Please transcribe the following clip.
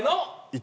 １。